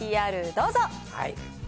ＶＴＲ、どうぞ。